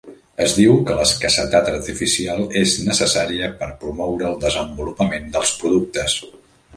Es diu que l'escassetat artificial és necessària per promoure el desenvolupament dels productes.